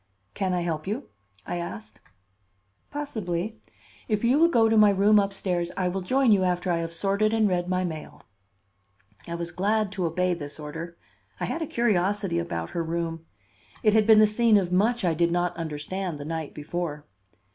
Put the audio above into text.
"Can I help you?" I asked. "Possibly. If you will go to my room up stairs, I will join you after I have sorted and read my mail." I was glad to obey this order. I had a curiosity about her room. It had been the scene of much I did not understand the night before.